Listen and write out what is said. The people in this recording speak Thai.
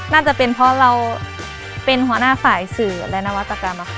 น่าจะเป็นเพราะเราเป็นหัวหน้าฝ่ายสื่อและนวัตกรรมค่ะ